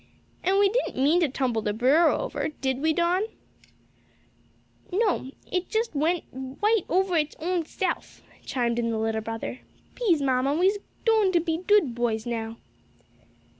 And we didn't mean to tumble the bureau over. Did we Don?" "No; it dus went yight over its ownse'f," chimed in the little brother. "Pease, mamma we's doin to be dood boys now."